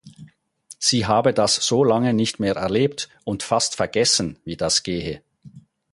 Sie habe das so lange nicht mehr erlebt und fast vergessen wie das gehe.